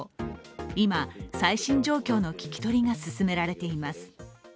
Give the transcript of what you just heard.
今、最新状況の聞き取りが進められています。